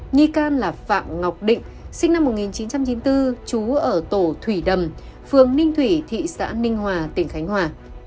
nghi can là phạm ngọc định sinh năm một nghìn chín trăm chín mươi bốn trú ở tổ thủy đầm phường ninh thủy thị xã ninh hòa tỉnh khánh hòa